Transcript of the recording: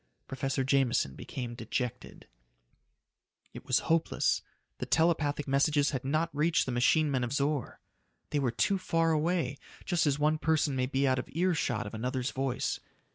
Professor Jameson became dejected. It was hopeless. The telepathic messages had not reached the machine men of Zor. They were too far away, just as one person may be out of earshot of another's voice.